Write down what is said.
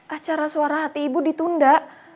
acara suara hati ibu ditunda